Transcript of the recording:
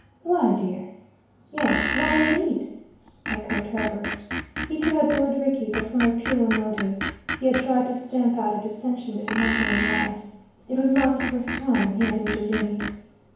"Why, dear?" "Yes, why indeed?" echoed Herbert. He too had bullied Rickie, but from a purer motive: he had tried to stamp out a dissension between husband and wife. It was not the first time he had intervened.